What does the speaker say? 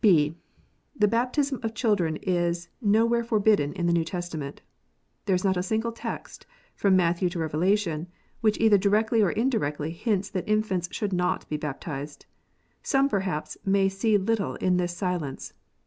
(b) The baptism of children is nowhere forbidden in the New Testament. There is not a single text, from Matthew to Eevela tion, which either directly or indirectly hints that infants should not be baptized. Some, perhaps, may see little in this silence.